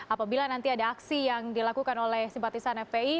apabila nanti ada aksi yang dilakukan oleh simpatisan fpi